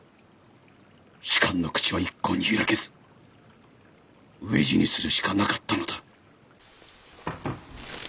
仕官の口は一向に開けず飢え死にするしかなかったのだ。